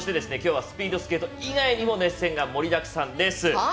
きょうはスピードスケート以外にも熱戦が盛りだくさんです。